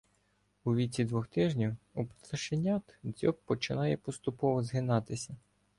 У віці двох тижнів у пташенят дзьоб починає поступово згинатися.